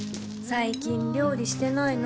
最近料理してないの？